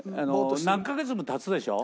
何カ月も経つでしょ？